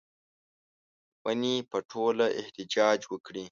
ونې به ټوله احتجاج وکړي